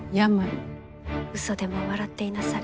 嘘でも笑っていなされ。